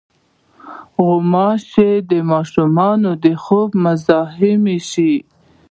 غوماشې د ماشوم د خوب مزاحمې شي.